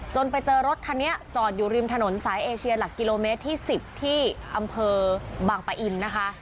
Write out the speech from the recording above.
ไปเจอรถคันนี้จอดอยู่ริมถนนสายเอเชียหลักกิโลเมตรที่๑๐ที่อำเภอบางปะอินนะคะ